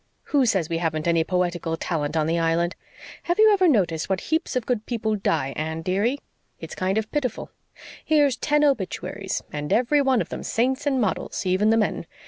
Who says we haven't any poetical talent on the Island! Have you ever noticed what heaps of good people die, Anne, dearie? It's kind of pitiful. Here's ten obituaries, and every one of them saints and models, even the men.